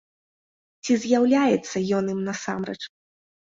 Ці з'яўляецца ён ім насамрэч?